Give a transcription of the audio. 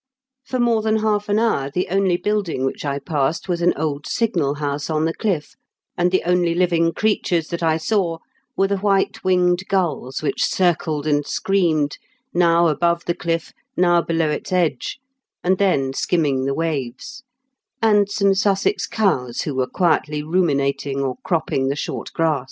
For more than half an hour the only building which I passed was an old signal house on the cliff, and the only living creatures that I saw were the white winged gulls which circled and screamed, now above the cliff, now below its edge, and then skimming the waves, and some Sussex cows who were quietly ruminating or cropping the short grass.